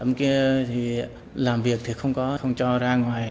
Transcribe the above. hôm kia thì làm việc thì không có không cho ra ngoài